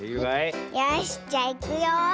よしじゃいくよ。